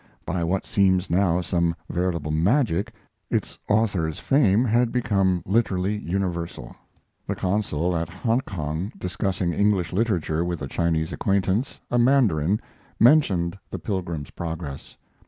By what seems now some veritable magic its author's fame had become literally universal. The consul at Hongkong, discussing English literature with a Chinese acquaintance, a mandarin, mentioned The Pilgrim's Progress.